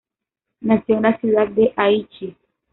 Nació en la ciudad de Aichi.